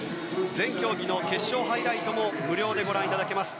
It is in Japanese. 全競技の決勝、ハイライトも無料でご覧いただけます。